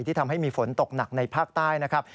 ทำให้มีฝนตกหนักในภาคใต้นะครับ